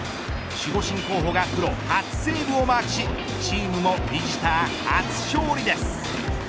守護神候補がプロ初セーブをマークしチームもビジター初勝利です。